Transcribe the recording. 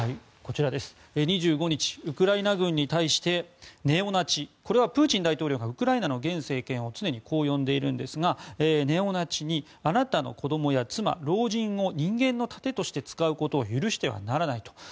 ２５日、ウクライナ軍に対してネオナチこれはプーチン大統領がウクライナの現政権を常にこう呼んでいるんですがネオナチにあなたの子供や妻、老人を人間の盾として使うことを許してはならないと。